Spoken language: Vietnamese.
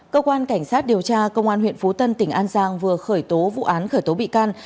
cơ quan cảnh sát điều tra công an huyện phú tân tỉnh an giang vừa khởi tố vụ án khởi tố bị can